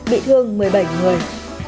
bị thương một mươi bảy người